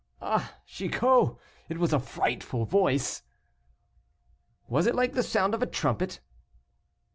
"Ah! Chicot, it was a frightful voice." "Was it like the sound of a trumpet?"